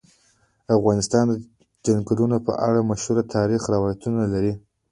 افغانستان د چنګلونه په اړه مشهور تاریخی روایتونه لري.